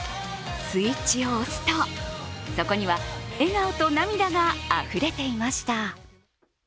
スイッチを押すと、そこには笑顔と涙があふれていました。